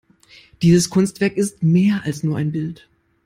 Dieses Kunstwerk ist mehr als nur ein Bild.